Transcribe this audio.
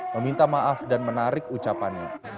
meminta maaf dan menarik ucapannya